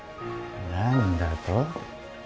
何だと？